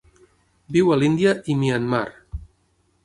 Viu a l'Índia i Myanmar.